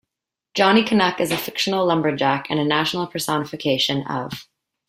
Johnny Canuck is a fictional lumberjack and a national personification of Canada.